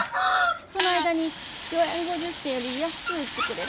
その間に４円５０銭より安う作れる